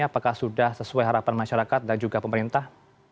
apakah sudah sesuai harapan masyarakat dan juga pemerintah